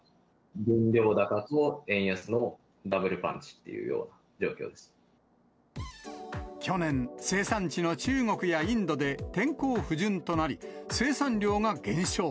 原料高と円安のダブルパンチって去年、生産地の中国やインドで天候不順となり、生産量が減少。